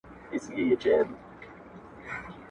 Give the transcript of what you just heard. ستا د تصور تصوير كي بيا يوه اوونۍ جگړه.